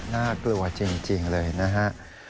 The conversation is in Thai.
น่ากลัวจริงเลยนะฮะ